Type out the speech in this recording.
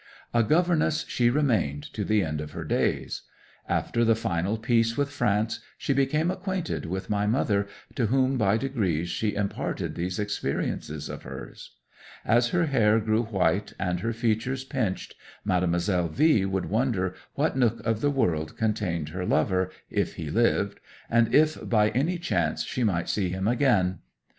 'A governess she remained to the end of her days. After the final peace with France she became acquainted with my mother, to whom by degrees she imparted these experiences of hers. As her hair grew white, and her features pinched, Mademoiselle V would wonder what nook of the world contained her lover, if he lived, and if by any chance she might see him again.